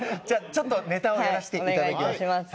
じゃあちょっとネタをやらせていただきます。